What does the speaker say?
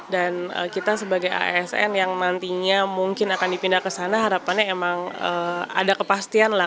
dan kita sebagai asn yang nantinya mungkin akan dipindah ke sana harapannya memang ada kepastian lah